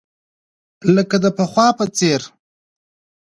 لکه د پخوا په څېر.